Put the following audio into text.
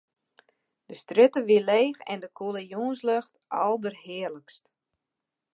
De strjitte wie leech en de koele jûnslucht alderhearlikst.